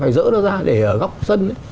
phải dỡ nó ra để góc sân